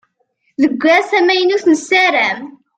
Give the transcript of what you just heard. Deg ass amynut nessaram.